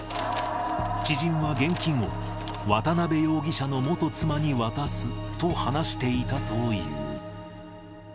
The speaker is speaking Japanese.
知人は現金を、渡辺容疑者の元妻に渡すと話していたという。